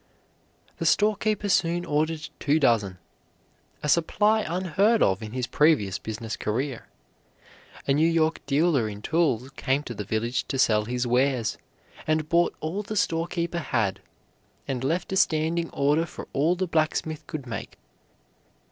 The storekeeper soon ordered two dozen, a supply unheard of in his previous business career. A New York dealer in tools came to the village to sell his wares, and bought all the storekeeper had, and left a standing order for all the blacksmith could make.